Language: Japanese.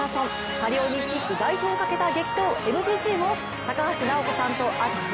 パリオリンピック代表をかけた激闘、ＭＧＣを高橋尚子さんと熱く！